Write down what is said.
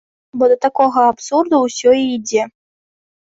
Бо да такога абсурду ўсё і ідзе.